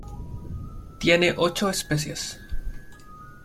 Tiene ocho especies.